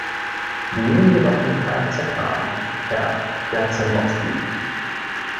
Nehmen wir doch den Kfz-Rahmen, Herr Jarzembowski.